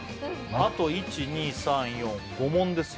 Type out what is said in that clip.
あと１２３４５問ですよ